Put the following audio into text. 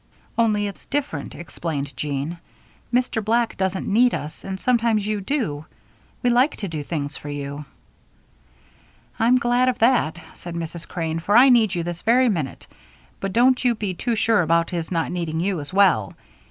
"Only it's different," explained Jean. "Mr. Black doesn't need us, and sometimes you do. We like to do things for you." "I'm glad of that," said Mrs. Crane, "for I need you this very minute. But don't you be too sure about his not needing you as well.